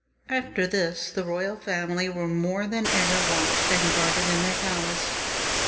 After this the royal family were more than ever watched and guarded in their palace.